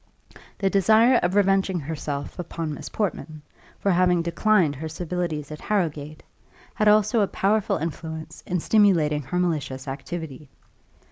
The desire of revenging herself upon Miss Portman, for having declined her civilities at Harrowgate, had also a powerful influence in stimulating her malicious activity.